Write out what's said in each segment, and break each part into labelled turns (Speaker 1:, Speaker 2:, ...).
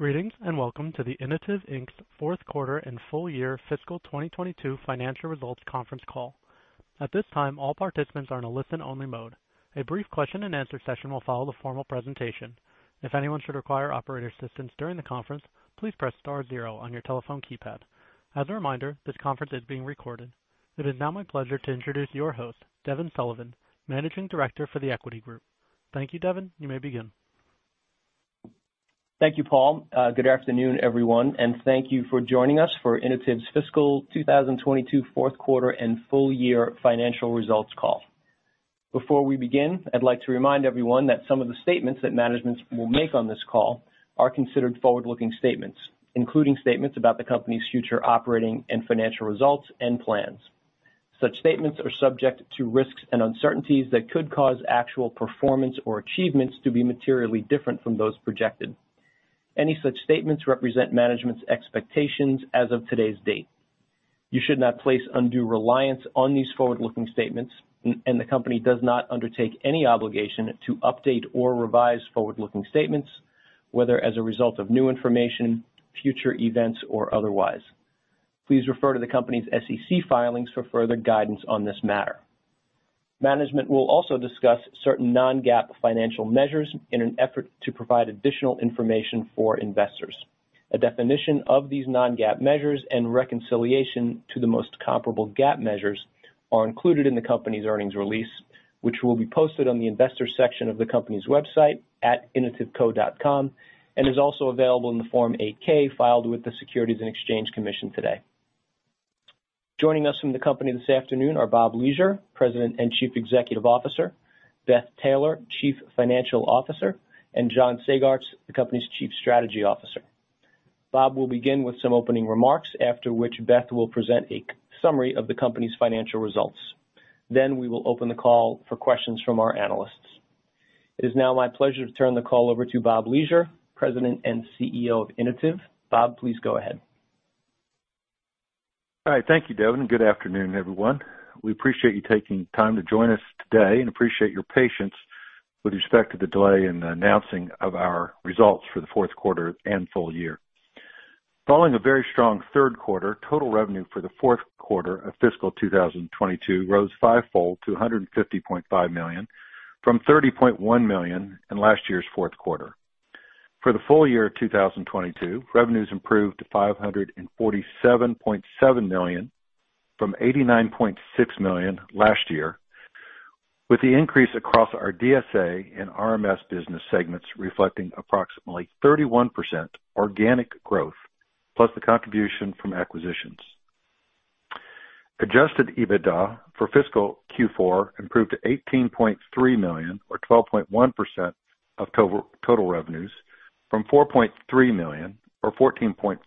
Speaker 1: Greetings, welcome to the Inotiv, Inc.'s fourth quarter and full year fiscal 2022 financial results conference call. At this time, all participants are in a listen-only mode. A brief question and answer session will follow the formal presentation. If anyone should require operator assistance during the conference, please press star zero on your telephone keypad. As a reminder, this conference is being recorded. It is now my pleasure to introduce your host, Devin Sullivan, Managing Director for The Equity Group. Thank you, Devin. You may begin.
Speaker 2: Thank you, Paul. Good afternoon, everyone, and thank you for joining us for Inotiv's fourth quarter and full year financial results call. Before we begin, I'd like to remind everyone that some of the statements that managements will make on this call are considered forward-looking statements, including statements about the company's future operating and financial results and plans. Such statements are subject to risks and uncertainties that could cause actual performance or achievements to be materially different from those projected. Any such statements represent management's expectations as of today's date. You should not place undue reliance on these forward-looking statements, and the company does not undertake any obligation to update or revise forward-looking statements, whether as a result of new information, future events or otherwise. Please refer to the company's SEC filings for further guidance on this matter. Management will also discuss certain non-GAAP financial measures in an effort to provide additional information for investors. A definition of these non-GAAP measures and reconciliation to the most comparable GAAP measures are included in the company's earnings release, which will be posted on the investors section of the company's website at inotivco.com, and is also available in the Form 8-K filed with the Securities and Exchange Commission today. Joining us from the company this afternoon are Bob Leasure, President and Chief Executive Officer, Beth Taylor, Chief Financial Officer, and John Sagartz, the company's Chief Strategy Officer. Bob will begin with some opening remarks, after which Beth will present a summary of the company's financial results. We will open the call for questions from our analysts. It is now my pleasure to turn the call over to Bob Leasure, President and CEO of Inotiv. Bob, please go ahead.
Speaker 3: All right. Thank you, Devin. Good afternoon, everyone. We appreciate you taking time to join us today and appreciate your patience with respect to the delay in the announcing of our results for the fourth quarter and full year. Following a very strong third quarter, total revenue for the fourth quarter of fiscal 2022 rose fivefold to $150.5 million, from $30.1 million in last year's fourth quarter. For the full year of 2022, revenues improved to $547.7 million, from $89.6 million last year, with the increase across our DSA and RMS business segments reflecting approximately 31% organic growth, plus the contribution from acquisitions. Adjusted EBITDA for fiscal Q4 improved to $18.3 million or 12.1% of total revenues from $4.3 million or 14.4%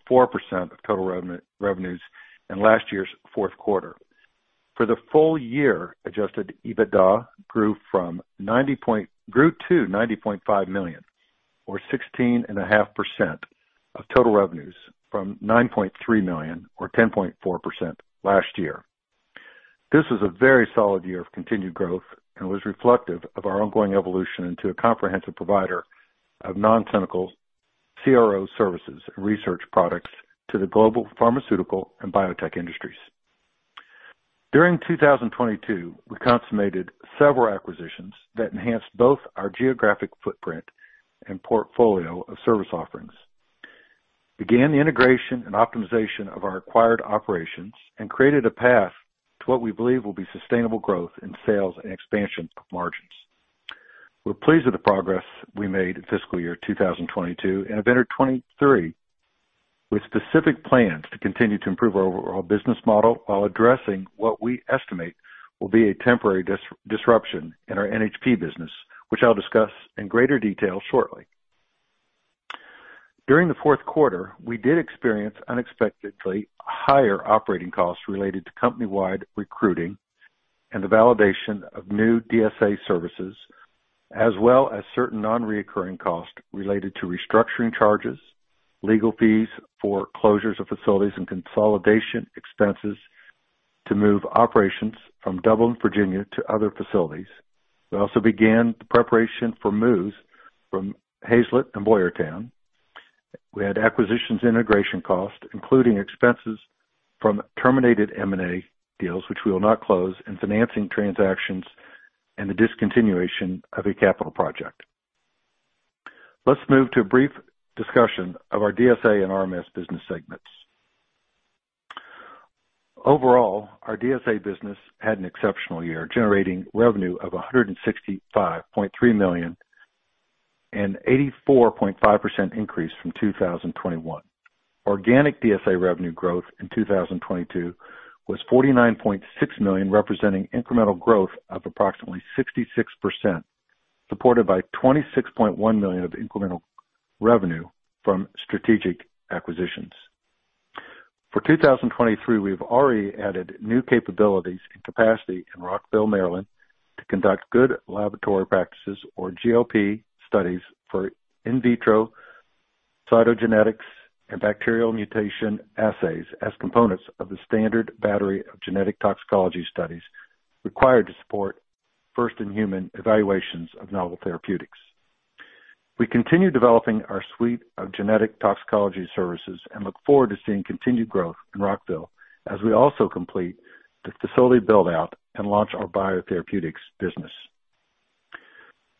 Speaker 3: of total revenues in last year's fourth quarter. For the full year, Adjusted EBITDA grew to $90.5 million or 16.5% of total revenues from $9.3 million or 10.4% last year. This was a very solid year of continued growth and was reflective of our ongoing evolution into a comprehensive provider of non-clinical CRO services and research products to the global pharmaceutical and biotech industries. During 2022, we consummated several acquisitions that enhanced both our geographic footprint and portfolio of service offerings, began the integration and optimization of our acquired operations, and created a path to what we believe will be sustainable growth in sales and expansion margins. We're pleased with the progress we made in fiscal year 2022 and have entered 23 with specific plans to continue to improve our overall business model while addressing what we estimate will be a temporary disruption in our NHP business, which I'll discuss in greater detail shortly. During the fourth quarter, we did experience unexpectedly higher operating costs related to company-wide recruiting and the validation of new DSA services, as well as certain non-reoccurring costs related to restructuring charges, legal fees for closures of facilities and consolidation expenses to move operations from Dublin, Virginia, to other facilities. We also began the preparation for moves from Haslett and Boyertown. We had acquisitions integration costs, including expenses from terminated M&A deals, which we will not close, and financing transactions, and the discontinuation of a capital project. Let's move to a brief discussion of our DSA and RMS business segments. Overall, our DSA business had an exceptional year, generating revenue of $165.3 million, an 84.5% increase from 2021. Organic DSA revenue growth in 2022 was $49.6 million, representing incremental growth of approximately 66%, supported by $26.1 million of incremental revenue from strategic acquisitions. For 2023, we've already added new capabilities and capacity in Rockville, Maryland, to conduct Good Laboratory Practices or GLP studies for in vitro Cytogenetics and bacterial mutation assays as components of the standard battery of genetic toxicology studies required to support first-in-human evaluations of novel therapeutics. We continue developing our suite of genetic toxicology services and look forward to seeing continued growth in Rockville as we also complete the facility build-out and launch our biotherapeutics business.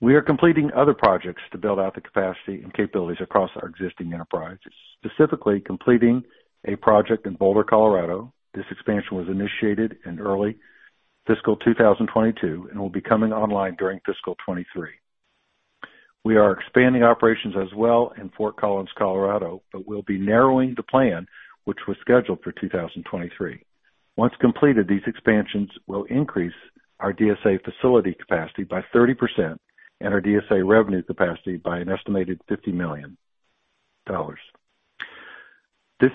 Speaker 3: We are completing other projects to build out the capacity and capabilities across our existing enterprise, specifically completing a project in Boulder, Colorado. This expansion was initiated in early fiscal 2022 and will be coming online fiscal 2023. We are expanding operations as well in Fort Collins, Colorado, but we'll be narrowing the plan which was scheduled for 2023. Once completed, these expansions will increase our DSA facility capacity by 30% and our DSA revenue capacity by an estimated $50 million. These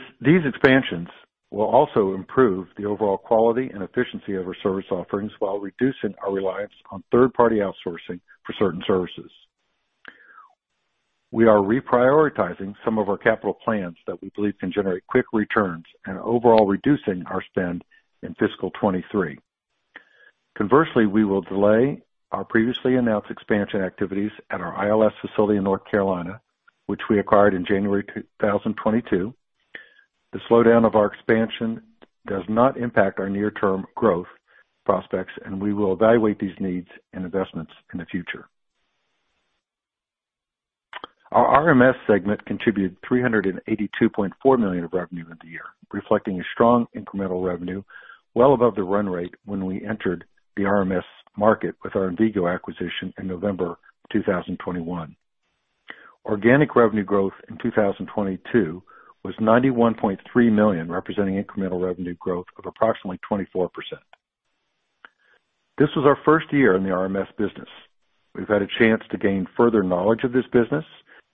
Speaker 3: expansions will also improve the overall quality and efficiency of our service offerings while reducing our reliance on third-party outsourcing for certain services. We are reprioritizing some of our capital plans that we believe can generate quick returns and overall reducing our spend fiscal 2023. We will delay our previously announced expansion activities at our ILS facility in North Carolina, which we acquired in January 2022. The slowdown of our expansion does not impact our near-term growth prospects, and we will evaluate these needs and investments in the future. Our RMS segment contributed $382.4 million of revenue in the year, reflecting a strong incremental revenue well above the run rate when we entered the RMS market with our Envigo acquisition in November 2021. Organic revenue growth in 2022 was $91.3 million, representing incremental revenue growth of approximately 24%. This was our first year in the RMS business. We've had a chance to gain further knowledge of this business,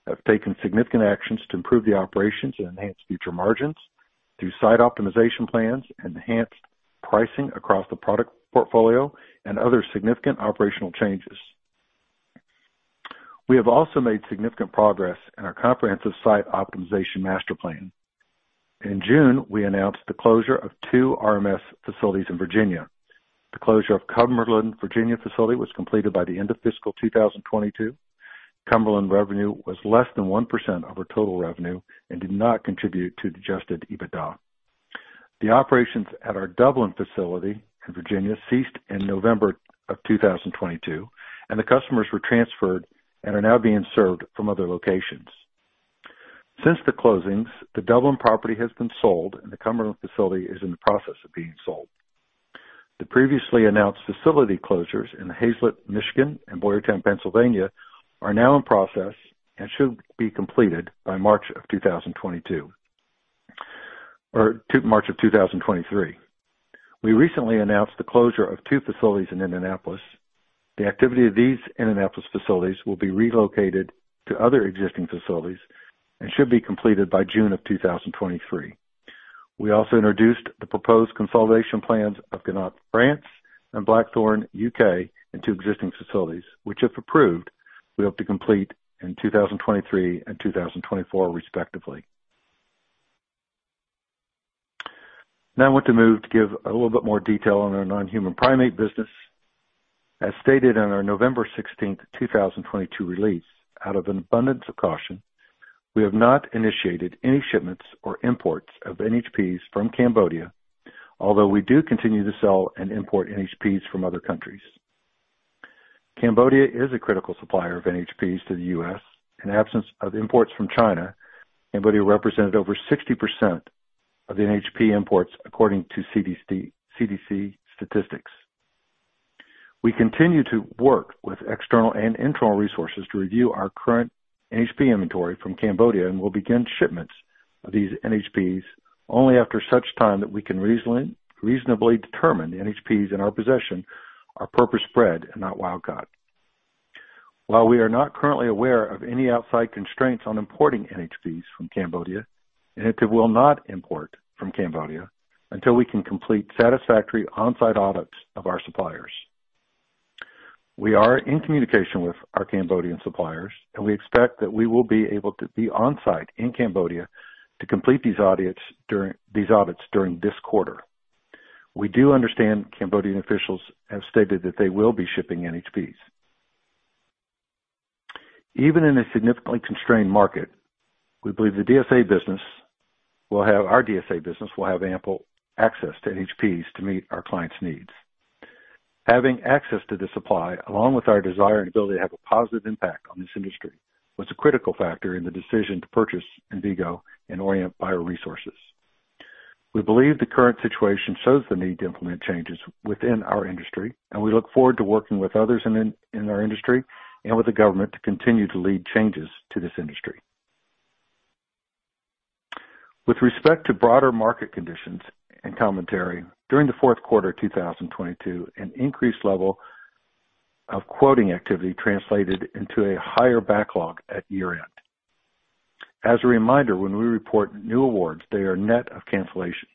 Speaker 3: have taken significant actions to improve the operations and enhance future margins through site optimization plans, enhanced pricing across the product portfolio and other significant operational changes. We have also made significant progress in our comprehensive site optimization master plan. In June, we announced the closure of two RMS facilities in Virginia. The closure of Cumberland, Virginia, facility was completed by the end of fiscal 2022. Cumberland revenue was less than 1% of our total revenue and did not contribute to adjusted EBITDA. The operations at our Dublin facility in Virginia ceased in November 2022, and the customers were transferred and are now being served from other locations. Since the closings, the Dublin property has been sold and the Cumberland facility is in the process of being sold. The previously announced facility closures in Haslett, Michigan, and Boyertown, Pennsylvania, are now in process and should be completed by March 2023. We recently announced the closure of two facilities in Indianapolis. The activity of these Indianapolis facilities will be relocated to other existing facilities and should be completed by June 2023. We also introduced the proposed consolidation plans of Gannat, France, and Blackthorn, U.K., in two existing facilities, which, if approved, we hope to complete in 2023 and 2024, respectively. I want to move to give a little bit more detail on our non-human primate business. As stated in our November 16th, 2022 release, out of an abundance of caution, we have not initiated any shipments or imports of NHPs from Cambodia, although we do continue to sell and import NHPs from other countries. Cambodia is a critical supplier of NHPs to the U.S. In absence of imports from China, Cambodia represented over 60% of the NHP imports according to CDC statistics. We continue to work with external and internal resources to review our current NHP inventory from Cambodia and will begin shipments of these NHPs only after such time that we can reasonably determine the NHPs in our possession are purpose-bred and not wild caught. While we are not currently aware of any outside constraints on importing NHPs from Cambodia, Inotiv will not import from Cambodia until we can complete satisfactory on-site audits of our suppliers. We are in communication with our Cambodian suppliers, and we expect that we will be able to be on-site in Cambodia to complete these audits during this quarter. We do understand Cambodian officials have stated that they will be shipping NHPs. Even in a significantly constrained market, we believe Our DSA business will have ample access to NHPs to meet our clients' needs. Having access to this supply, along with our desire and ability to have a positive impact on this industry, was a critical factor in the decision to purchase Envigo and Orient BioResource Center. We believe the current situation shows the need to implement changes within our industry. We look forward to working with others in our industry and with the government to continue to lead changes to this industry. With respect to broader market conditions and commentary, during the fourth quarter 2022, an increased level of quoting activity translated into a higher backlog at year-end. As a reminder, when we report new awards, they are net of cancellation.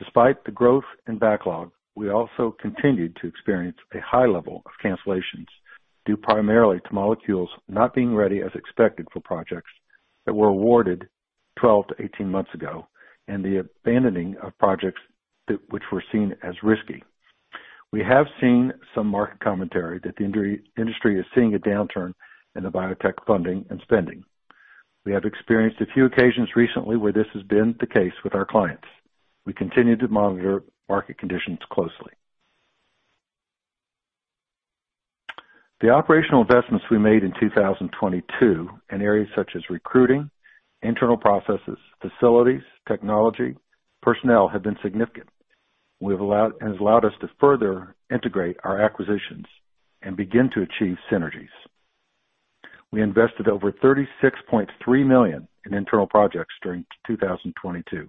Speaker 3: Despite the growth in backlog, we also continued to experience a high level of cancellations due primarily to molecules not being ready as expected for projects that were awarded 12 to 18 months ago and the abandoning of projects that were seen as risky. We have seen some market commentary that the industry is seeing a downturn in the biotech funding and spending. We have experienced a few occasions recently where this has been the case with our clients. We continue to monitor market conditions closely. The operational investments we made in 2022 in areas such as recruiting, internal processes, facilities, technology, personnel have been significant. It has allowed us to further integrate our acquisitions and begin to achieve synergies. We invested over $36.3 million in internal projects during 2022.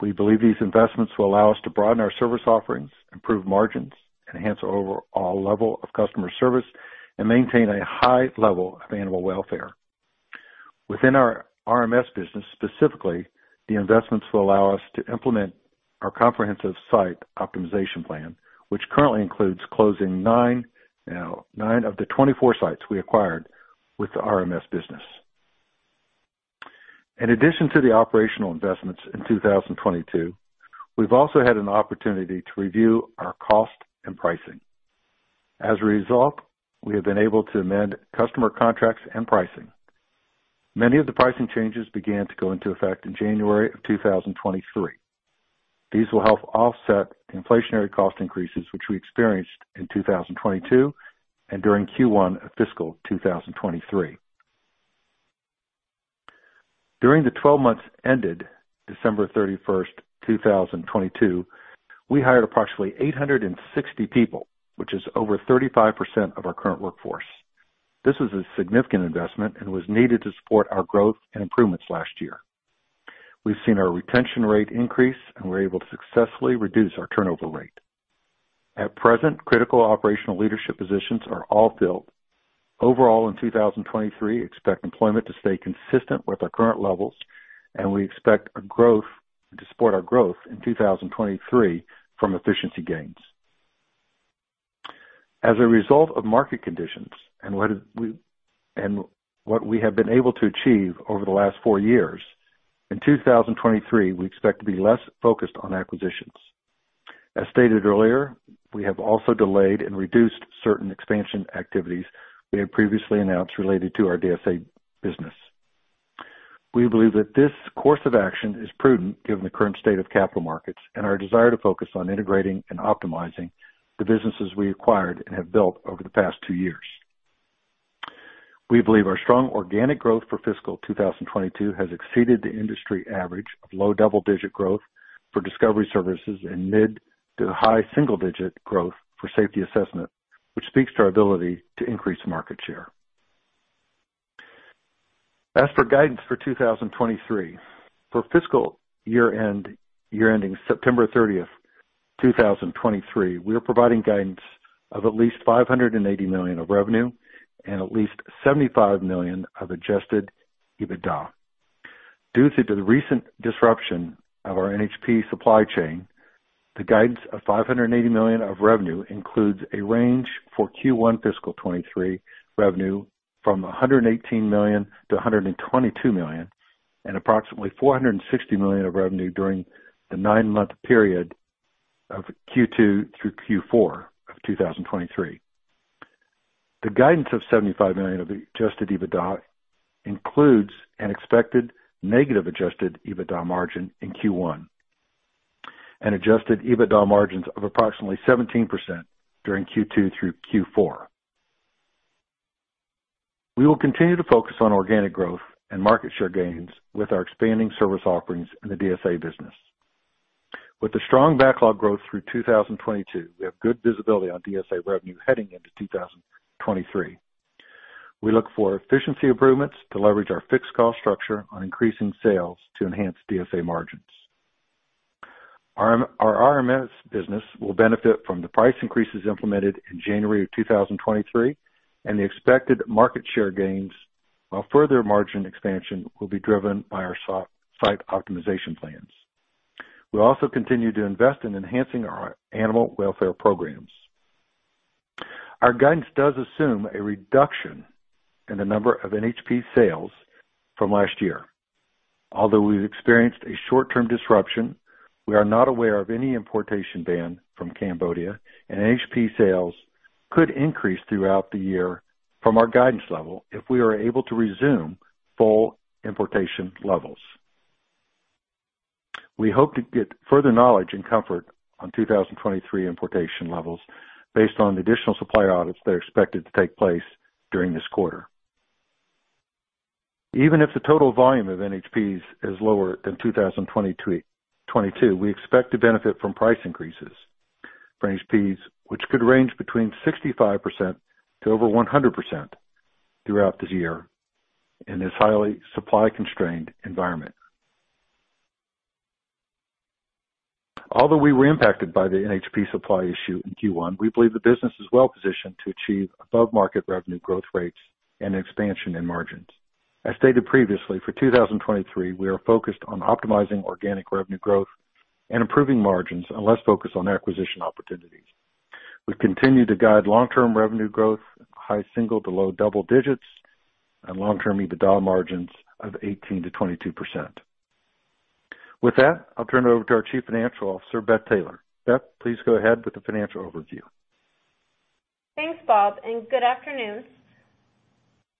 Speaker 3: We believe these investments will allow us to broaden our service offerings, improve margins, enhance our overall level of customer service, and maintain a high level of animal welfare. Within our RMS business, specifically, the investments will allow us to implement our comprehensive site optimization plan, which currently includes closing nine, now nine of the 24 sites we acquired with the RMS business. In addition to the operational investments in 2022, we've also had an opportunity to review our cost and pricing. As a result, we have been able to amend customer contracts and pricing. Many of the pricing changes began to go into effect in January of 2023. These will help offset inflationary cost increases, which we experienced in 2022 and during Q1 of fiscal 2023. During the 12 months ended December 31st, 2022, we hired approximately 860 people, which is over 35% of our current workforce. This was a significant investment and was needed to support our growth and improvements last year. We've seen our retention rate increase, and we're able to successfully reduce our turnover rate. At present, critical operational leadership positions are all filled. Overall, in 2023, expect employment to stay consistent with our current levels, and we expect to support our growth in 2023 from efficiency gains. As a result of market conditions and what we have been able to achieve over the last four years, in 2023, we expect to be less focused on acquisitions. As stated earlier, we have also delayed and reduced certain expansion activities we had previously announced related to our DSA business. We believe that this course of action is prudent given the current state of capital markets and our desire to focus on integrating and optimizing the businesses we acquired and have built over the past two years. We believe our strong organic growth for has exceeded the industry average of low double-digit growth for discovery services and mid to high single digit growth for safety assessment, which speaks to our ability to increase market share. For guidance for 2023, for fiscal year ending September 30th, 2023, we are providing guidance of at least $580 million of revenue and at least $75 million of adjusted EBITDA. Due to the recent disruption of our NHP supply chain, the guidance of $580 million of revenue includes a range for Q1 fiscal 2023 revenue from $118 million-$122 million and approximately $460 million of revenue during the nine-month period of Q2 through Q4 of 2023. The guidance of $75 million of adjusted EBITDA includes an expected negative adjusted EBITDA margin in Q1 and adjusted EBITDA margins of approximately 17% during Q2 through Q4. We will continue to focus on organic growth and market share gains with our expanding service offerings in the DSA business. With the strong backlog growth through 2022, we have good visibility on DSA revenue heading into 2023. We look for efficiency improvements to leverage our fixed cost structure on increasing sales to enhance DSA margins. Our RMS business will benefit from the price increases implemented in January of 2023 and the expected market share gains, while further margin expansion will be driven by our site optimization plans. We'll also continue to invest in enhancing our animal welfare programs. Our guidance does assume a reduction in the number of NHP sales from last year. Although we've experienced a short-term disruption, we are not aware of any importation ban from Cambodia, and NHP sales could increase throughout the year from our guidance level if we are able to resume full importation levels. We hope to get further knowledge and comfort on 2023 importation levels based on additional supplier audits that are expected to take place during this quarter. Even if the total volume of NHPs is lower than 2022, we expect to benefit from price increases for NHPs, which could range between 65% to over 100% throughout this year in this highly supply-constrained environment. We were impacted by the NHP supply issue in Q1, we believe the business is well positioned to achieve above-market revenue growth rates and expansion in margins. As stated previously, for 2023, we are focused on optimizing organic revenue growth and improving margins and less focused on acquisition opportunities. We continue to guide long-term revenue growth, high-single to low-double-digits and long-term EBITDA margins of 18%-22%. With that, I'll turn it over to our Chief Financial Officer, Beth Taylor. Beth, please go ahead with the financial overview.
Speaker 4: Thanks, Bob, good afternoon.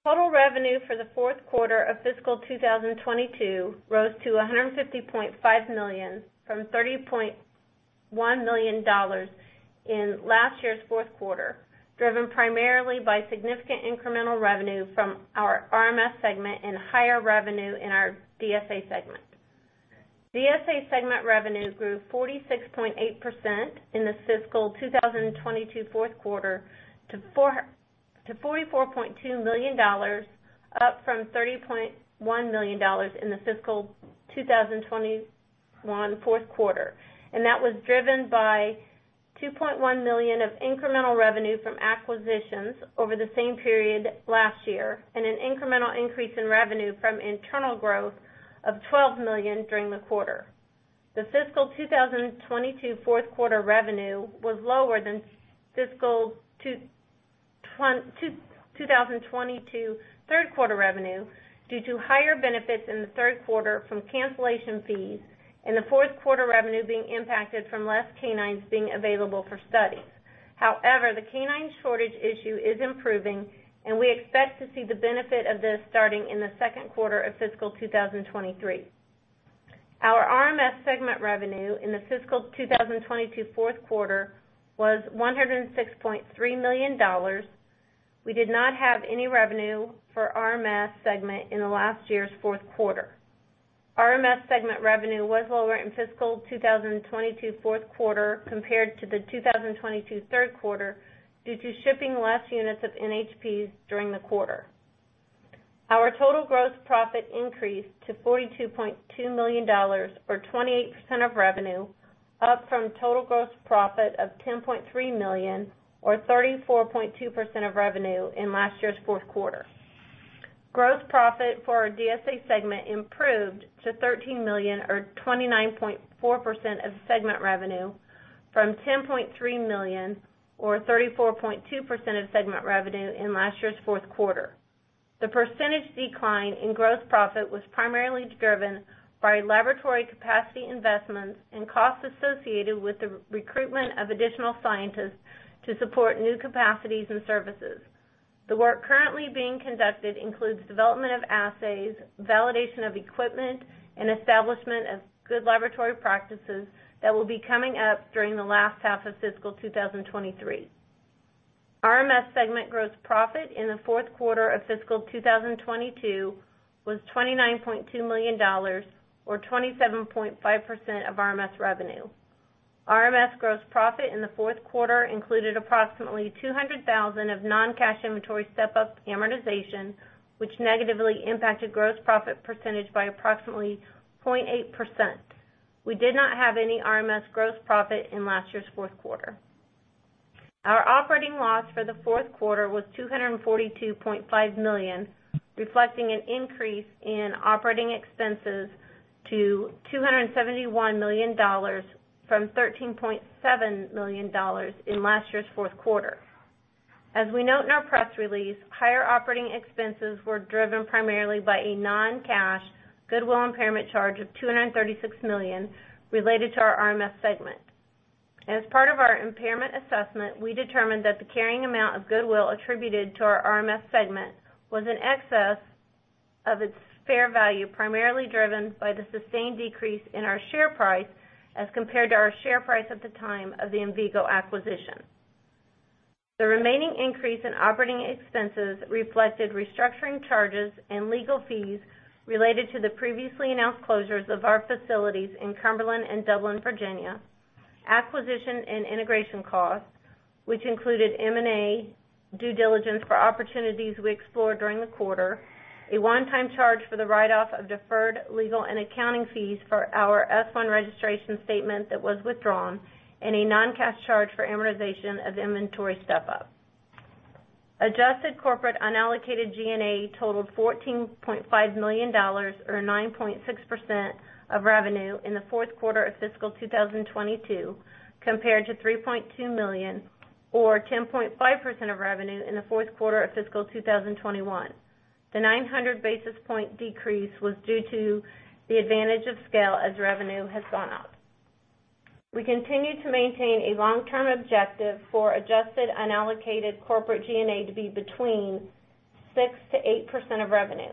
Speaker 4: Total revenue for the fourth quarter of fiscal 2022 rose to $150.5 million from $30.1 million in last year's fourth quarter, driven primarily by significant incremental revenue from our RMS segment and higher revenue in our DSA segment. DSA segment revenue grew 46.8% in the fiscal 2022 fourth quarter to $44.2 million, up from $30.1 million in the fiscal 2021 fourth quarter. That was driven by $2.1 million of incremental revenue from acquisitions over the same period last year and an incremental increase in revenue from internal growth of $12 million during the quarter. The fourth quarter revenue was lower than fiscal 2022 third quarter revenue due to higher benefits in the third quarter from cancellation fees and the fourth quarter revenue being impacted from less canines being available for studies. However, the canine shortage issue is improving, and we expect to see the benefit of this starting in the second quarter fiscal 2023. Our RMS segment revenue in the fiscal 2022 fourth quarter was $106.3 million. We did not have any revenue for RMS segment in the last year's fourth quarter. RMS segment revenue was lower in fiscal 2022 fourth quarter compared to the 2022 third quarter due to shipping less units of NHPs during the quarter. Our total gross profit increased to $42.2 million or 28% of revenue, up from total gross profit of $10.3 million or 34.2% of revenue in last year's fourth quarter. Gross profit for our DSA segment improved to $13 million or 29.4% of segment revenue from $10.3 million or 34.2% of segment revenue in last year's fourth quarter. The percentage decline in gross profit was primarily driven by laboratory capacity investments and costs associated with the recruitment of additional scientists to support new capacities and services. The work currently being conducted includes development of assays, validation of equipment, and establishment of Good Laboratory Practices that will be coming up during the last half of fiscal 2023. RMS segment gross profit in the fourth quarter of fiscal 2022 was $29.2 million or 27.5% of RMS revenue. RMS gross profit in the fourth quarter included approximately $200,000 of non-cash inventory step-up amortization, which negatively impacted gross profit percentage by approximately 0.8%. We did not have any RMS gross profit in last year's fourth quarter. Our operating loss for the fourth quarter was $242.5 million, reflecting an increase in operating expenses to $271 million from $13.7 million in last year's fourth quarter. As we note in our press release, higher operating expenses were driven primarily by a non-cash goodwill impairment charge of $236 million related to our RMS segment. As part of our impairment assessment, we determined that the carrying amount of goodwill attributed to our RMS segment was in excess of its fair value, primarily driven by the sustained decrease in our share price as compared to our share price at the time of the Envigo acquisition. The remaining increase in operating expenses reflected restructuring charges and legal fees related to the previously announced closures of our facilities in Cumberland and Dublin, Virginia, acquisition and integration costs, which included M&A due diligence for opportunities we explored during the quarter, a one-time charge for the write-off of deferred legal and accounting fees for our S-1 registration statement that was withdrawn, and a non-cash charge for amortization of inventory step-up. Adjusted corporate unallocated G&A totaled $14.5 million or 9.6% of revenue in the fourth quarter of fiscal 2022, compared to $3.2 million or 10.5% of revenue in the fourth quarter of fiscal 2021. The 900 basis point decrease was due to the advantage of scale as revenue has gone up. We continue to maintain a long-term objective for adjusted unallocated corporate G&A to be between 6%-8% of revenue.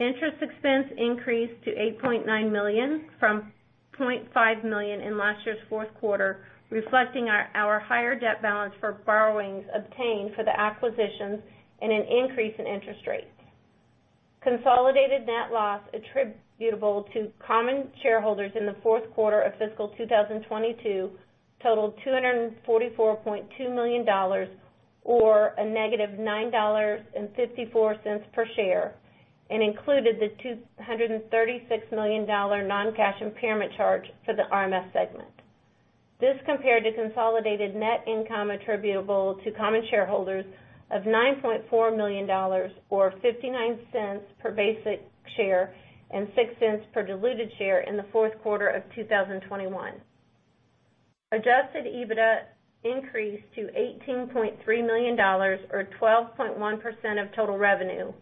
Speaker 4: Interest expense increased to $8.9 million from $0.5 million in last year's fourth quarter, reflecting our higher debt balance for borrowings obtained for the acquisitions and an increase in interest rates. Consolidated net loss attributable to common shareholders in the fourth quarter of fiscal 2022 totaled $244.2 million or a -$9.54 per share, and included the $236 million noncash impairment charge for the RMS segment. This compared to consolidated net income attributable to common shareholders of $9.4 million or $0.59 per basic share and $0.06 per diluted share in the fourth quarter of 2021. Adjusted EBITDA increased to $18.3 million or 12.1% of total revenue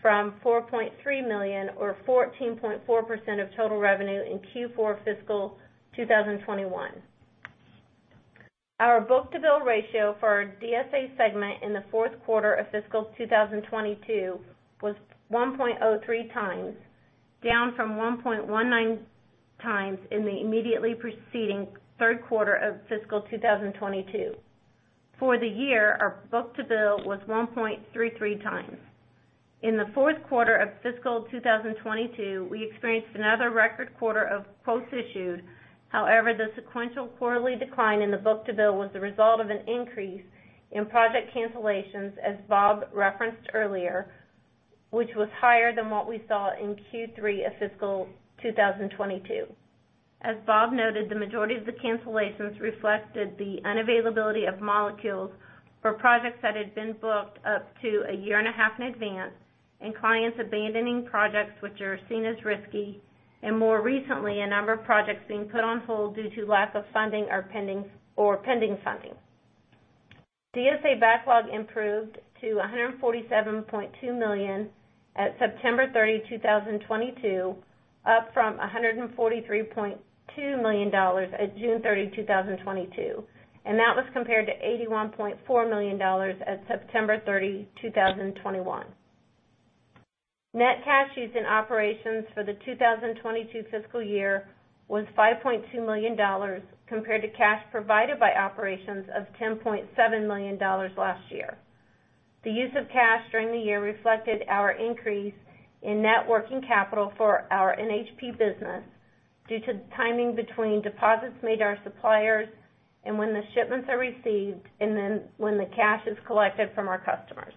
Speaker 4: from $4.3 million or 14.4% of total revenue in Q4 fiscal 2021. Our book-to-bill ratio for our DSA segment in the fourth quarter of fiscal 2022 was 1.03x, down from 1.19x in the immediately preceding third quarter of fiscal 2022. For the year, our book-to-bill was 1.33x. In the fourth quarter of fiscal 2022, we experienced another record quarter of posts issued. The sequential quarterly decline in the book-to-bill was the result of an increase in project cancellations, as Bob referenced earlier, which was higher than what we saw in Q3 of fiscal 2022. As Bob noted, the majority of the cancellations reflected the unavailability of molecules for projects that had been booked up to a year and a half in advance and clients abandoning projects which are seen as risky, and more recently, a number of projects being put on hold due to lack of funding or pending funding. DSA backlog improved to $147.2 million at September 30, 2022, up from $143.2 million at June 30, 2022. That was compared to $81.4 million at September 30, 2021. Net cash used in operations for the 2022 fiscal year was $5.2 million compared to cash provided by operations of $10.7 million last year. The use of cash during the year reflected our increase in net working capital for our NHP business due to the timing between deposits made to our suppliers and when the shipments are received, and then when the cash is collected from our customers.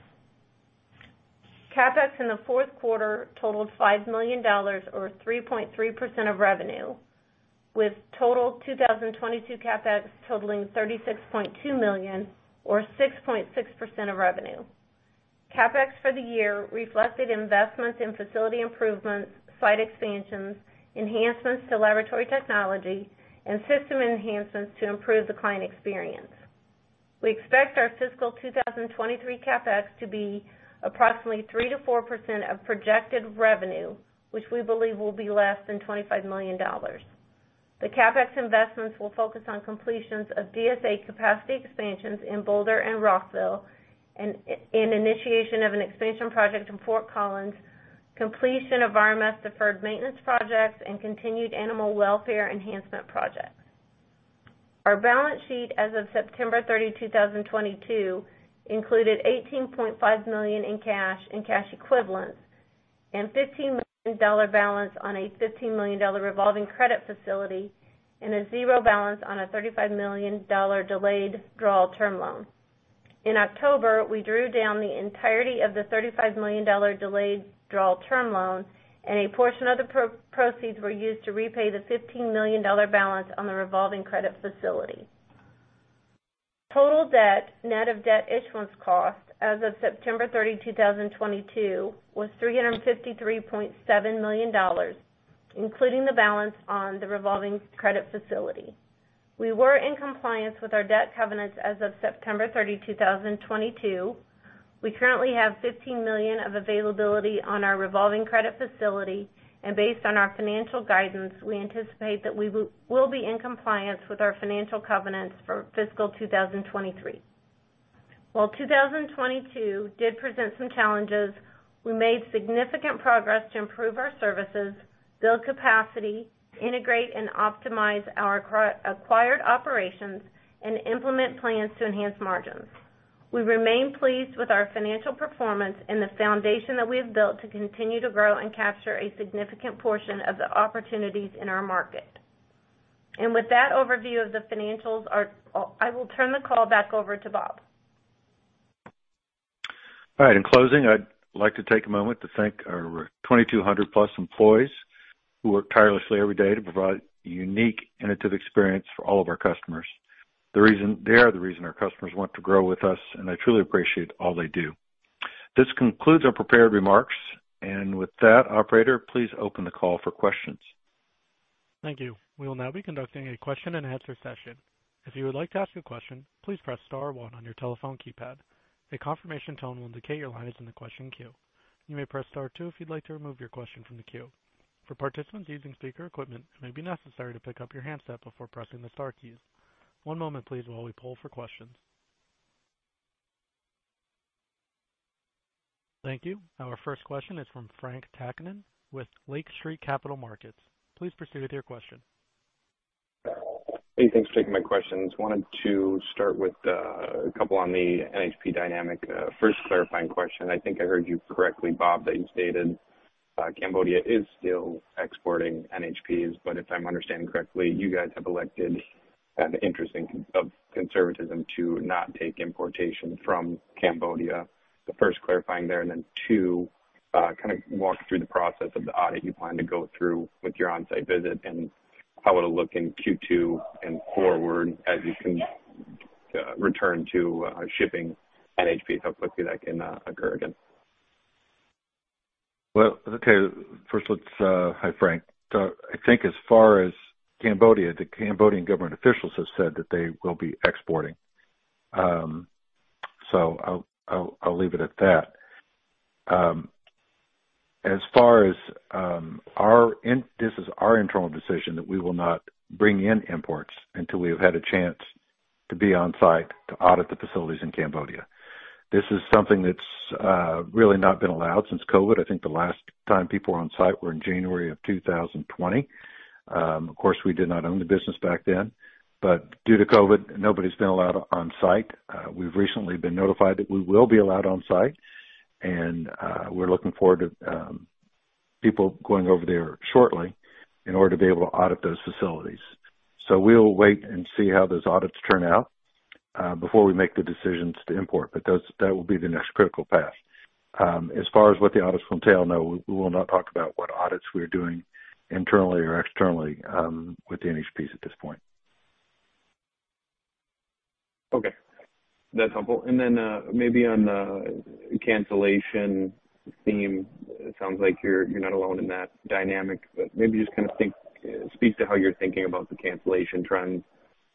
Speaker 4: CapEx in the fourth quarter totaled $5 million or 3.3% of revenue, with total 2022 CapEx totaling $36.2 million or 6.6% of revenue. CapEx for the year reflected investments in facility improvements, site expansions, enhancements to laboratory technology, and system enhancements to improve the client experience. We expect fiscal 2023 CapEx to be approximately 3%-4% of projected revenue, which we believe will be less than $25 million. The CapEx investments will focus on completions of DSA capacity expansions in Boulder and Rockville, and initiation of an expansion project in Fort Collins, completion of RMS deferred maintenance projects, and continued animal welfare enhancement projects. Our balance sheet as of September 30, 2022 included $18.5 million in cash and cash equivalents and $15 million balance on a $15 million revolving credit facility and a zero balance on a $35 million delayed draw term loan. In October, we drew down the entirety of the $35 million delayed draw term loan, a portion of the pro-proceeds were used to repay the $15 million balance on the revolving credit facility. Total debt, net of debt issuance costs as of September 30, 2022 was $353.7 million, including the balance on the revolving credit facility. We were in compliance with our debt covenants as of September 30, 2022. We currently have $15 million of availability on our revolving credit facility. Based on our financial guidance, we anticipate that we will be in compliance with our financial covenants fiscal 2023. While 2022 did present some challenges, we made significant progress to improve our services, build capacity, integrate and optimize our acquired operations, and implement plans to enhance margins. We remain pleased with our financial performance and the foundation that we have built to continue to grow and capture a significant portion of the opportunities in our market. With that overview of the financials, I will turn the call back over to Bob.
Speaker 3: All right. In closing, I'd like to take a moment to thank our 2,200 plus employees who work tirelessly every day to provide a unique Inotiv experience for all of our customers. They are the reason our customers want to grow with us, and I truly appreciate all they do. This concludes our prepared remarks. With that, operator, please open the call for questions.
Speaker 1: Thank you. We will now be conducting a question-and-answer session. If you would like to ask a question, please press star one on your telephone keypad. A confirmation tone will indicate your line is in the question queue. You may press star two if you'd like to remove your question from the queue. For participants using speaker equipment, it may be necessary to pick up your handset before pressing the star keys. One moment, please, while we poll for questions. Thank you. Our first question is from Frank Takkinen with Lake Street Capital Markets. Please proceed with your question.
Speaker 5: Hey, thanks for taking my questions. Wanted to start with, a couple on the NHP dynamic. First clarifying question. I think I heard you correctly, Bob, that you stated Cambodia is still exporting NHPs. If I'm understanding correctly, you guys have elected an interesting of conservatism to not take importation from Cambodia. First, clarifying there, two, kind of walk through the process of the audit you plan to go through with your on-site visit and how it'll look in Q2 and forward as you can return to shipping NHP, hopefully that can occur again.
Speaker 3: Well, okay. First, let's Hi, Frank. I think as far as Cambodia, the Cambodian government officials have said that they will be exporting. I'll leave it at that. As far as this is our internal decision that we will not bring in imports until we have had a chance to be on site to audit the facilities in Cambodia. This is something that's really not been allowed since COVID. I think the last time people were on site were in January of 2020. Of course, we did not own the business back then, due to COVID, nobody's been allowed on site. We've recently been notified that we will be allowed on site and we're looking forward to people going over there shortly in order to be able to audit those facilities. We'll wait and see how those audits turn out before we make the decisions to import. That will be the next critical path. As far as what the audits will entail, no, we will not talk about what audits we are doing internally or externally with the NHPs at this point.
Speaker 5: Okay, that's helpful. Then, maybe on the cancellation theme, it sounds like you're not alone in that dynamic, but maybe just kind of think, speak to how you're thinking about the cancellation trends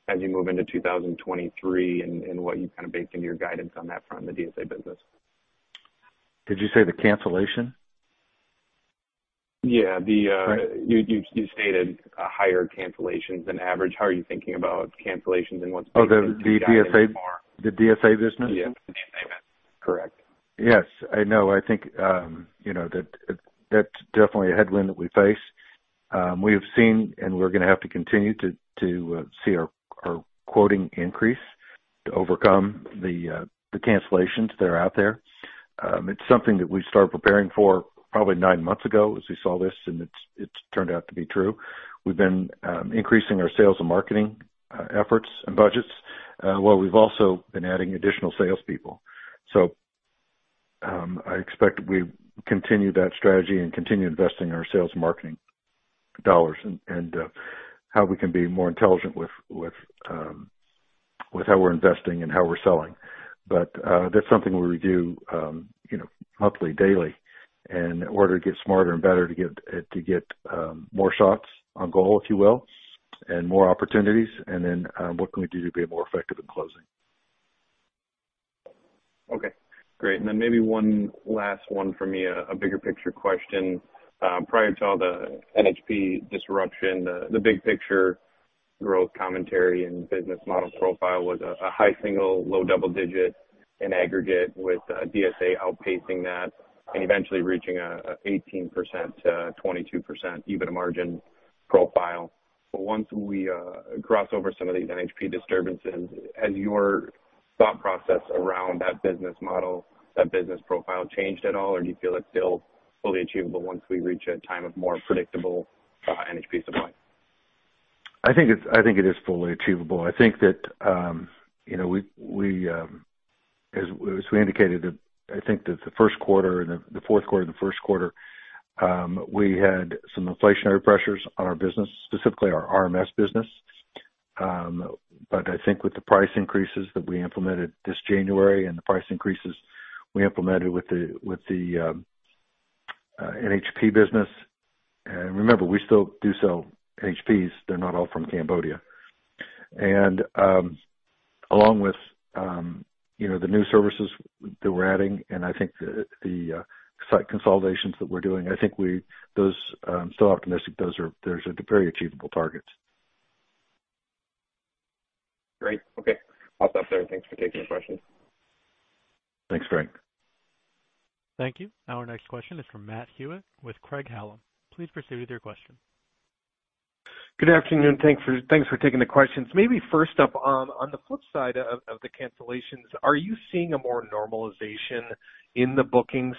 Speaker 5: as you move into 2023 and what you kind of baked into your guidance on that front in the DSA business.
Speaker 3: Did you say the cancellation?
Speaker 5: Yeah.
Speaker 3: Right.
Speaker 5: You stated higher cancellations than average. How are you thinking about cancellations and what's baked into guidance?
Speaker 3: Oh, the DSA business?
Speaker 5: Yeah. The DSA business, correct.
Speaker 3: Yes. I know, I think, you know, that's definitely a headwind that we face. We have seen and we're gonna have to continue to see our quoting increase to overcome the cancellations that are out there. It's something that we started preparing for probably nine months ago as we saw this, and it's turned out to be true. We've been increasing our sales and marketing efforts and budgets while we've also been adding additional salespeople. I expect we continue that strategy and continue investing our sales and marketing dollars and how we can be more intelligent with how we're investing and how we're selling. That's something we review, you know, monthly, daily, and in order to get smarter and better, to get more shots on goal, if you will, and more opportunities. What can we do to be more effective in closing?
Speaker 5: Okay. Great. Maybe one last one for me, a bigger picture question. Prior to all the NHP disruption, the big picture growth commentary and business model profile was a high-single, low-double-digit in aggregate with DSA outpacing that and eventually reaching a 18%, 22% EBITDA margin profile. Once we cross over some of these NHP disturbances, has your thought process around that business model, that business profile changed at all, or do you feel it's still fully achievable once we reach a time of more predictable NHP supply?
Speaker 3: I think it's, I think it is fully achievable. I think that, you know, we, as we indicated that I think that the first quarter, the fourth quarter and the first quarter, we had some inflationary pressures on our business, specifically our RMS business. I think with the price increases that we implemented this January and the price increases we implemented with the NHP business, and remember, we still do sell NHPs, they're not all from Cambodia. Along with, you know, the new services that we're adding and I think the site consolidations that we're doing, I think those still optimistic. Those are very achievable targets.
Speaker 5: Great. Okay. I'll stop there. Thanks for taking the questions.
Speaker 3: Thanks, Frank.
Speaker 1: Thank you. Our next question is from Matt Hewitt with Craig-Hallum. Please proceed with your question.
Speaker 6: Good afternoon. Thanks for taking the questions. Maybe first up, on the flip side of the cancellations, are you seeing a more normalization in the bookings?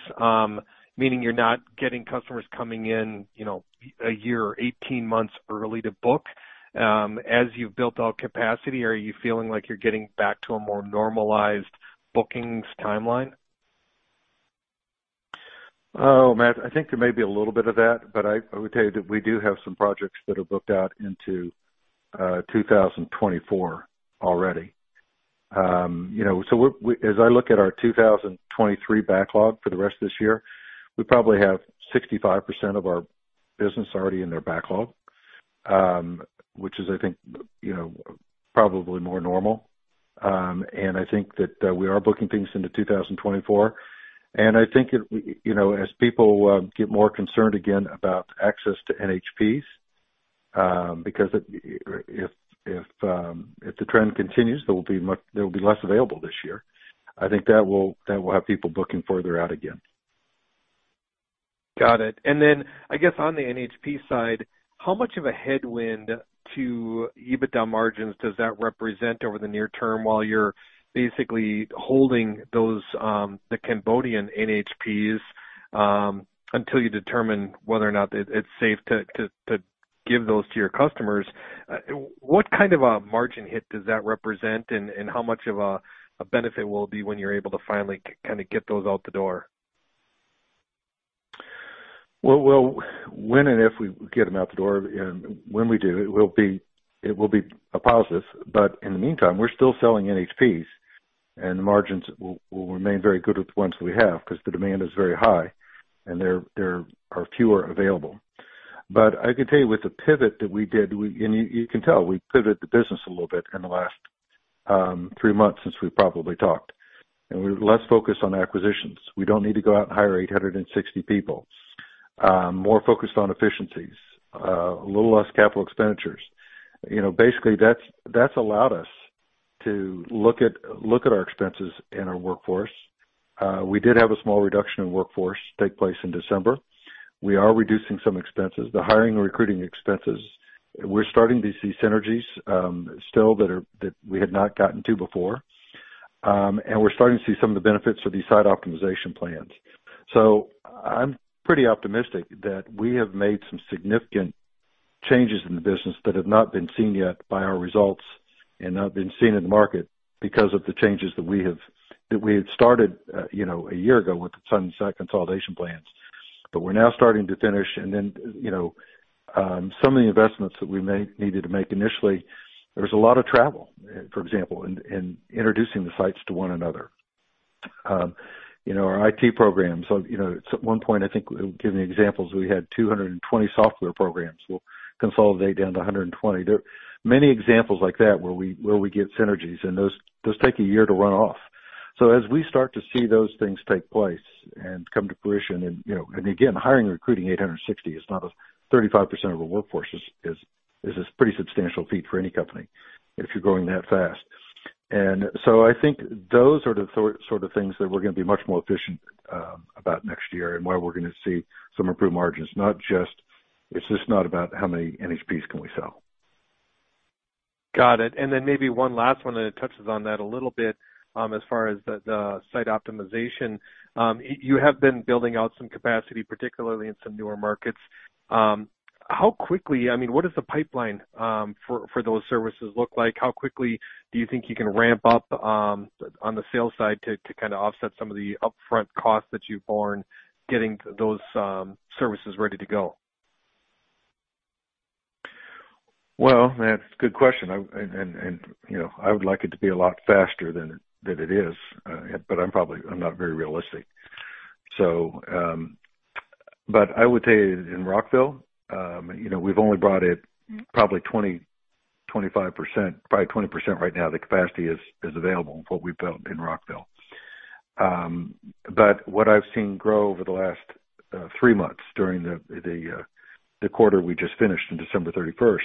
Speaker 6: Meaning you're not getting customers coming in, you know, a year or 18 months early to book? As you've built out capacity, are you feeling like you're getting back to a more normalized bookings timeline?
Speaker 3: Matt, I think there may be a little bit of that. I would tell you that we do have some projects that are booked out into 2024 already. You know, as I look at our 2023 backlog for the rest of this year, we probably have 65% of our business already in their backlog, which is, I think, you know, probably more normal. I think that we are booking things into 2024, and I think it, you know, as people get more concerned again about access to NHPs, because if the trend continues, there will be less available this year. I think that will have people booking further out again.
Speaker 6: Got it. I guess on the NHP side, how much of a headwind to EBITDA margins does that represent over the near term while you're basically holding those, the Cambodian NHPs, until you determine whether or not it's safe to give those to your customers? What kind of a margin hit does that represent, and how much of a benefit will it be when you're able to finally kind of get those out the door?
Speaker 3: Well, when and if we get 'em out the door and when we do it will be a positive. In the meantime, we're still selling NHPs, and the margins will remain very good with the ones we have because the demand is very high and there are fewer available. I can tell you with the pivot that we did, you can tell we pivoted the business a little bit in the last three months since we've probably talked. We're less focused on acquisitions. We don't need to go out and hire 860 people. More focused on efficiencies, a little less capital expenditures. You know, basically, that's allowed us to look at our expenses and our workforce. We did have a small reduction in workforce take place in December. We are reducing some expenses. The hiring and recruiting expenses, we're starting to see synergies, still that are, that we had not gotten to before. We're starting to see some of the benefits of these site optimization plans. I'm pretty optimistic that we have made some significant changes in the business that have not been seen yet by our results and not been seen in the market because of the changes that we have, that we had started, you know, a year ago with the site and site consolidation plans. We're now starting to finish. Then, you know, some of the investments that we made, needed to make initially, there was a lot of travel, for example, in introducing the sites to one another. You know, our IT programs. You know, at one point, I think, giving examples, we had 220 software programs we'll consolidate down to 120. There are many examples like that where we get synergies, and those take a year to run off. As we start to see those things take place and come to fruition and, you know, and again, hiring and recruiting 860 is not a, 35% of a workforce is a pretty substantial feat for any company if you're growing that fast. I think those are the sort of things that we're gonna be much more efficient about next year and why we're gonna see some improved margins, not just, it's just not about how many NHPs can we sell.
Speaker 6: Got it. Then maybe one last one, and it touches on that a little bit. As far as the site optimization. You have been building out some capacity, particularly in some newer markets. How quickly I mean, what does the pipeline for those services look like? How quickly do you think you can ramp up on the sales side to kind of offset some of the upfront costs that you've borne getting those services ready to go?
Speaker 3: Well, that's a good question. I, and, you know, I would like it to be a lot faster than it is. I'm probably, I'm not very realistic, so. I would say in Rockville, you know, we've only brought it probably 20%, 25%. Probably 20% right now, the capacity is available what we've built in Rockville. What I've seen grow over the last three months during the quarter we just finished in December 31st,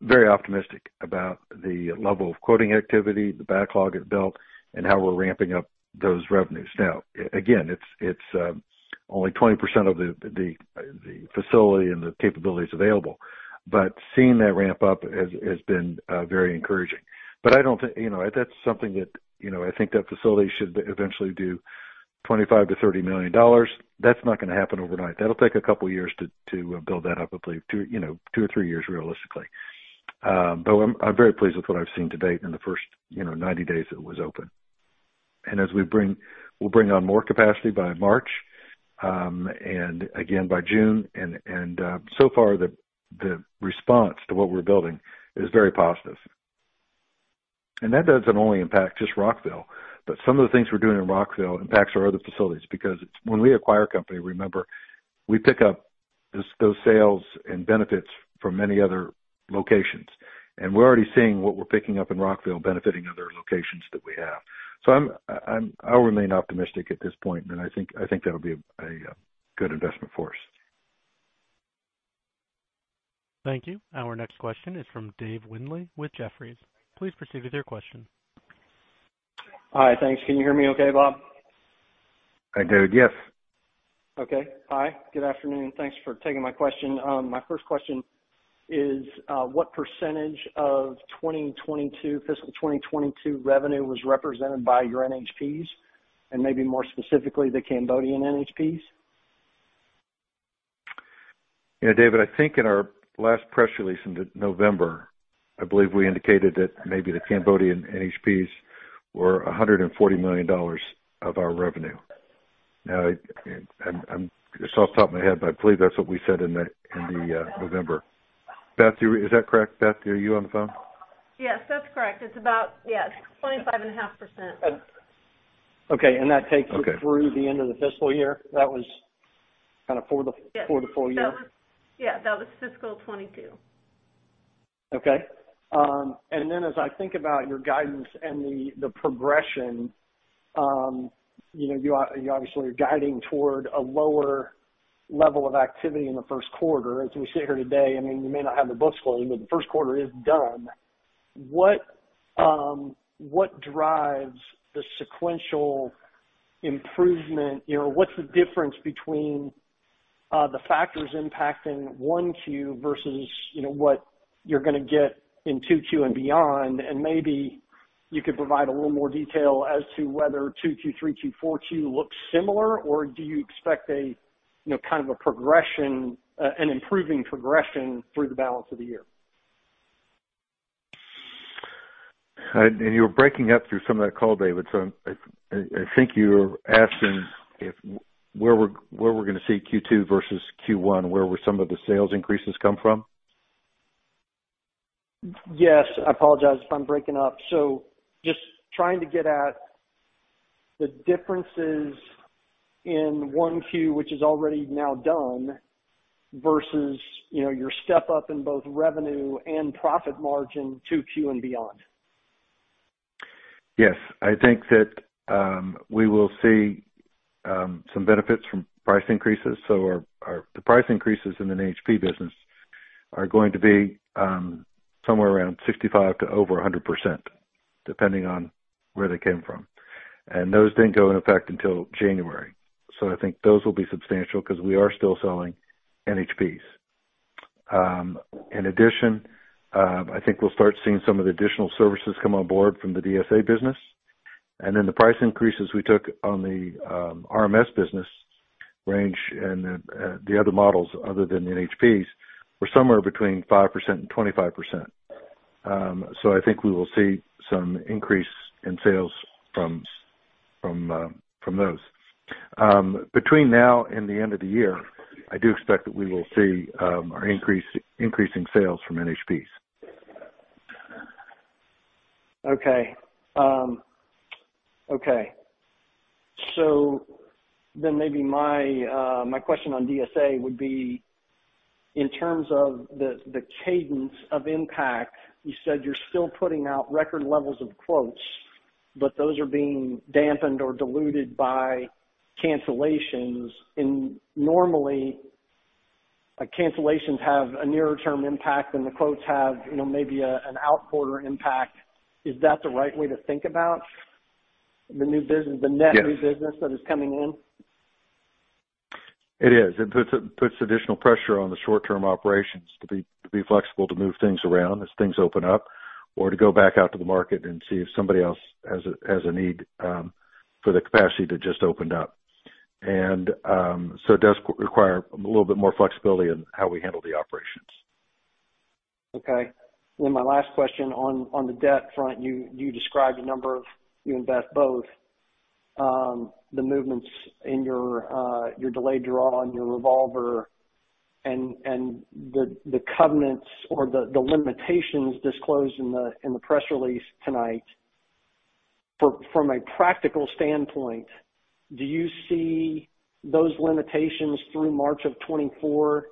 Speaker 3: very optimistic about the level of quoting activity, the backlog it built and how we're ramping up those revenues. Now, again, it's only 20% of the facility and the capabilities available. Seeing that ramp up has been very encouraging. I don't think, you know, that's something that, you know, I think that facility should eventually do $25 million-$30 million. That's not gonna happen overnight. That'll take a couple of years to build that up. I believe two or three years, realistically. I'm very pleased with what I've seen to date in the first, you know, 90 days it was open. As we bring on more capacity by March, and again by June. So far, the response to what we're building is very positive. That doesn't only impact just Rockville, but some of the things we're doing in Rockville impacts our other facilities, because when we acquire a company, remember, we pick up those sales and benefits from many other locations, and we're already seeing what we're picking up in Rockville benefiting other locations that we have. I'll remain optimistic at this point, and I think that'll be a good investment for us.
Speaker 1: Thank you. Our next question is from Dave Windley with Jefferies. Please proceed with your question.
Speaker 7: Hi. Thanks. Can you hear me okay, Bob?
Speaker 3: Hi, Dave. Yes.
Speaker 7: Okay. Hi. Good afternoon. Thanks for taking my question. My first question is, what percentage of 2022, fiscal 2022 revenue was represented by your NHPs? Maybe more specifically, the Cambodian NHPs?
Speaker 3: You know, David, I think in our last press release in November, I believe we indicated that maybe the Cambodian NHPs were $140 million of our revenue. I'm, it's off the top of my head, but I believe that's what we said in the November. Beth, is that correct? Beth, are you on the phone?
Speaker 4: Yes, that's correct. It's about, yeah, it's 25.5%.
Speaker 7: Okay. That takes it-
Speaker 3: Okay.
Speaker 7: ...through the end of the fiscal year?
Speaker 4: Yes.
Speaker 7: For the full year.
Speaker 4: That was, yeah, that was fiscal 2022.
Speaker 7: Okay. As I think about your guidance and the progression, you know, you obviously are guiding toward a lower level of activity in the first quarter as we sit here today. I mean, you may not have the books closed, but the first quarter is done. What drives the sequential improvement? You know, what's the difference between the factors impacting 1Q versus, you know, what you're gonna get in 2Q and beyond, and maybe you could provide a little more detail as to whether 2Q, 3Q, 4Q looks similar, or do you expect a, you know, kind of a progression, an improving progression through the balance of the year?
Speaker 3: You're breaking up through some of that call, Dave, so I think you're asking if where we're gonna see Q2 versus Q1. Where will some of the sales increases come from?
Speaker 7: Yes. I apologize if I'm breaking up. just trying to get at the differences in 1Q, which is already now done, versus, you know, your step up in both revenue and profit margin, 2Q and beyond.
Speaker 3: Yes. I think that we will see some benefits from price increases. The price increases in the NHP business are going to be somewhere around 65% to over 100%, depending on where they came from. Those didn't go into effect until January. I think those will be substantial 'cause we are still selling NHPs. In addition, I think we'll start seeing some of the additional services come on board from the DSA business. The price increases we took on the RMS business range and then the other models other than NHPs were somewhere between 5% and 25%. I think we will see some increase in sales from those. Between now and the end of the year, I do expect that we will see our increasing sales from NHPs.
Speaker 7: Okay. Okay. Maybe my question on DSA would be in terms of the cadence of impact, you said you're still putting out record levels of quotes, but those are being dampened or diluted by cancellations. Normally, like cancellations have a nearer term impact than the quotes have, you know, maybe an outquarter impact. Is that the right way to think about the new business-
Speaker 3: Yes.
Speaker 7: ...the net new business that is coming in?
Speaker 3: It is. It puts additional pressure on the short-term operations to be, to be flexible, to move things around as things open up or to go back out to the market and see if somebody else has a, has a need for the capacity that just opened up. It does require a little bit more flexibility in how we handle the operations.
Speaker 7: Okay. My last question on the debt front, you described a number of, you and Beth both, the movements in your delayed draw on your revolver and the covenants or the limitations disclosed in the press release tonight. From a practical standpoint, do you see those limitations through March of 2024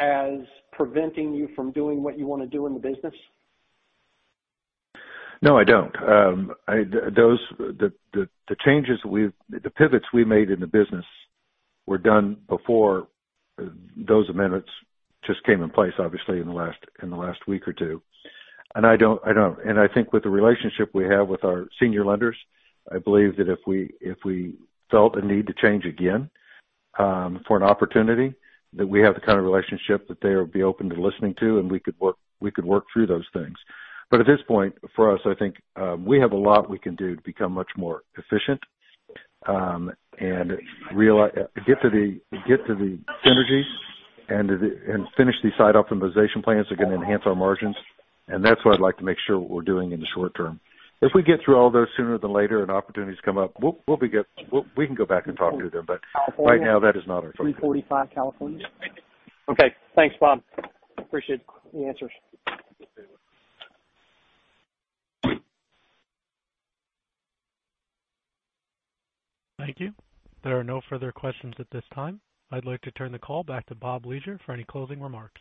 Speaker 7: as preventing you from doing what you wanna do in the business?
Speaker 3: No, I don't. The changes we've, the pivots we made in the business were done before those amendments just came in place, obviously in the last, in the last week or two. I don't. I think with the relationship we have with our senior lenders, I believe that if we, if we felt a need to change again, for an opportunity, that we have the kind of relationship that they would be open to listening to and we could work through those things. At this point, for us, I think, we have a lot we can do to become much more efficient, and get to the synergies and the, and finish these site optimization plans that are gonna enhance our margins. That's what I'd like to make sure what we're doing in the short term. If we get through all those sooner than later and opportunities come up, we'll be good. We can go back and talk to them. Right now that is not our focus.
Speaker 7: Okay, thanks, Bob. Appreciate the answers.
Speaker 3: Okay.
Speaker 1: Thank you. There are no further questions at this time. I'd like to turn the call back to Bob Leasure for any closing remarks.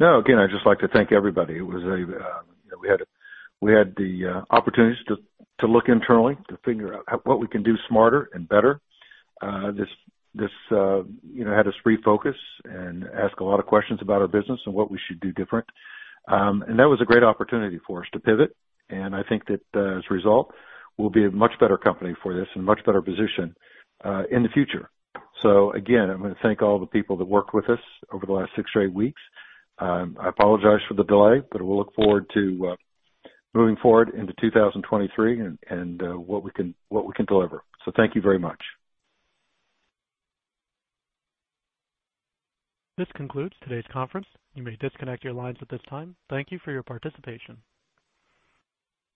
Speaker 3: No. Again, I'd just like to thank everybody. It was, you know, we had the opportunities to look internally to figure out what we can do smarter and better. This, this, you know, had us refocus and ask a lot of questions about our business and what we should do different. That was a great opportunity for us to pivot. I think that, as a result, we'll be a much better company for this and much better positioned in the future. Again, I wanna thank all the people that worked with us over the last six or eight weeks. I apologize for the delay, but we'll look forward to moving forward into 2023 and what we can deliver. Thank you very much.
Speaker 1: This concludes today's conference. You may disconnect your lines at this time. Thank you for your participation.